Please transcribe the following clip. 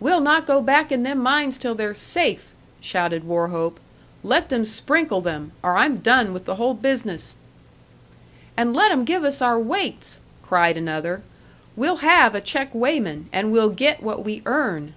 "We'll not go back in them mines till they're safe!" shouted Wauchope. "Let them sprinkle them or I'm done with the whole business." "And let 'em give us our weights!" cried another. "We'll have a check weighman, and we'll get what we earn!"